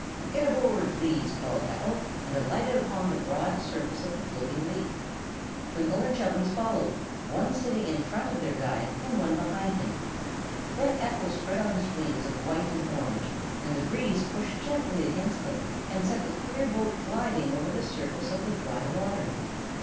"Get aboard, please," called Ephel, and alighted upon the broad surface of the floating leaf. Twinkle and Chubbins followed, one sitting in front of their guide and one behind him. Then Ephel spread out his wings of white and orange, and the breeze pushed gently against them and sent the queer boat gliding over the surface of the dry water.